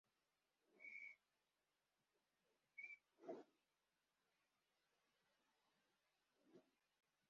Umugabo wambaye ishati yubururu agenda inyuma yabantu hamwe nimbwa ye kumusenyi